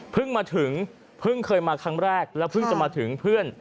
มาถึงเพิ่งเคยมาครั้งแรกแล้วเพิ่งจะมาถึงเพื่อน